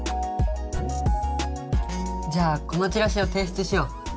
じゃあこのチラシを提出しよう。